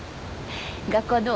学校どう？